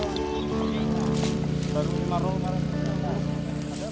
berubah menjadi kelas kelas kelas